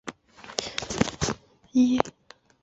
中国的水能资源蕴藏量和可开发量均居世界第一位。